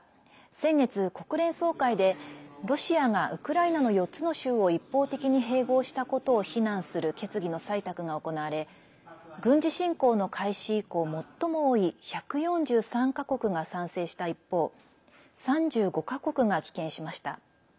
先月、国連総会でロシアがウクライナの４つの州を一方的に併合したことを非難する決議の採択が行われ軍事侵攻の開始以降、最も多い１４３か国が賛成した一方３５か国が棄権しました。